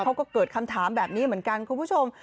เขาก็เกิดคำถามแบบนี้เหมือนกันคุณผู้ชม